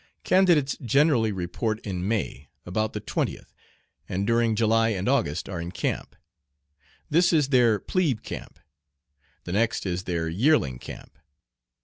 Candidates generally report in May about the 20th and during July and August are in camp. This is their "plebe camp." The next is their, "yearling camp."